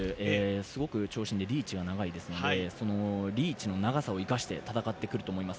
すごく長身でリーチが長いですのでそのリーチの長さを生かして戦ってくると思います。